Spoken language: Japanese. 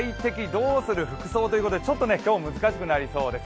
どうする服装ということで、ちょっと今日、難しくなりそうです